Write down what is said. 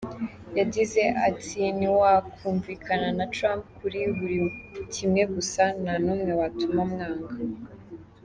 Yagize ati “Ntiwakumvikana na Trump kuri buri kimwe gusa nta numwe watuma mwanga.